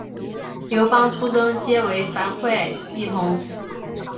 刘邦出征皆与樊哙一同。